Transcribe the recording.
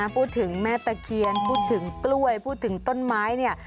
พูดถึงแม่ตะเคียนพูดถึงกล้วยพูดถึงต้นไม้เนี่ย